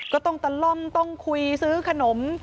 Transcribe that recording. ก็ต้องตะล่อมต้องคุยซื้อขนม